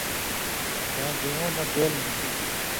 ݜَیں دُویُوں نہ بېل نی ہُوئ تھُو،